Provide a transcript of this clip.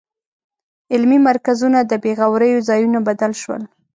علمي مرکزونه د بېغوریو ځایونو بدل شول.